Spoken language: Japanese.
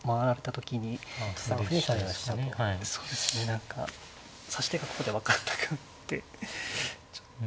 何か指し手がここで分かんなくなってちょっと。